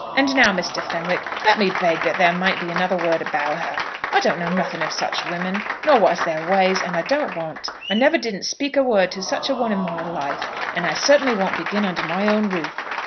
"And now, Mr. Fenwick, let me beg that there mayn't be another word about her. I don't know nothing of such women, nor what is their ways, and I don't want. I never didn't speak a word to such a one in my life, and I certainly won't begin under my own roof.